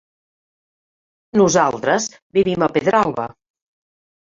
Nosaltres vivim a Pedralba.